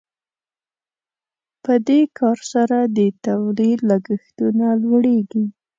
په دې کار سره د تولید لګښتونه لوړیږي.